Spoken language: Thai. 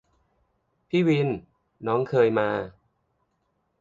พี่วิน : น้องเคยมา